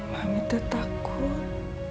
mami teh takut